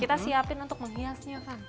kita siapin untuk menghiasnya kan